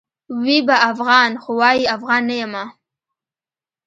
وي به افغان؛ خو وايي افغان نه یمه